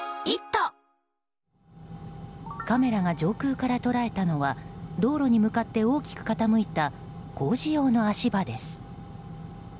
カメラが上空から捉えたのは道路に向かって大きく傾いた工事用の足場です。